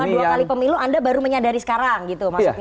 kalau dua kali pemilu anda baru menyadari sekarang gitu maksudnya